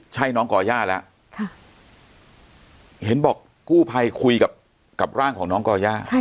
ใช่น้องก่อย่าแล้วเห็นบอกกู้ภัยคุยกับร่างของน้องก่อย่า